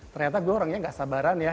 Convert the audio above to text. ternyata gue orangnya gak sabaran ya